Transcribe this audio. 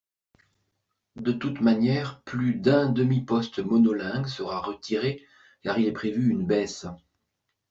De toutes manières plus d’un demi poste monolingue sera retiré car il est prévu une baisse.